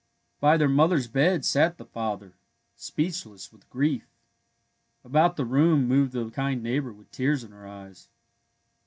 By their mother's bed sat the father, speech less with grief. About the room moved the kind neighbour with tears in her eyes.